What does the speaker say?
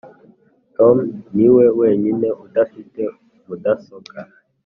tom niwe wenyine udafite mudasobwa.